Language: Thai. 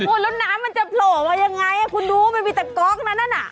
แล้วน้ำมันจะโผล่มายังไงคุณดูมันมีแต่ก๊อกนั้นน่ะ